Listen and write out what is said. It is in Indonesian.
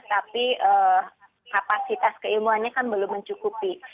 tapi kapasitas keilmuannya kan belum mencukupi